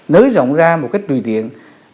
nới rộng ra một cách tùy tiện